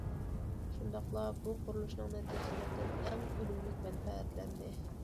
شۇنداقلا بۇ قۇرۇلۇشنىڭ نەتىجىلىرىدىن ئەڭ ئۈنۈملۈك مەنپەئەتلەندى.